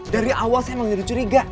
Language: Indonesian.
dari awal saya emang jadi curiga